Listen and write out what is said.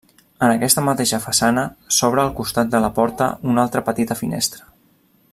En aquesta mateixa façana, s'obre al costat de la porta una altra petita finestra.